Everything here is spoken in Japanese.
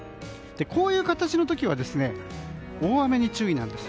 こういう形の時は大雨に注意なんです。